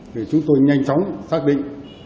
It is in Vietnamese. để chúng tôi nhanh chóng xác định